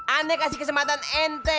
aneh kasih kesempatan ente